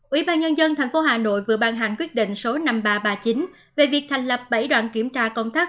ubnd tp hà nội vừa ban hành quyết định số năm nghìn ba trăm ba mươi chín về việc thành lập bảy đoàn kiểm tra công tác